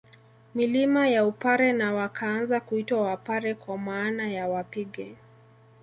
Milima ya Upare na wakaanza kuitwa Wapare kwa maana ya wapige